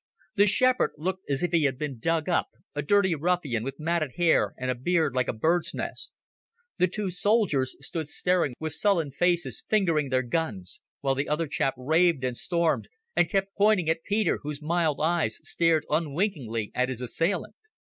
The shepherd looked as if he had been dug up, a dirty ruffian with matted hair and a beard like a bird's nest. The two soldiers stood staring with sullen faces, fingering their guns, while the other chap raved and stormed and kept pointing at Peter, whose mild eyes stared unwinkingly at his assailant.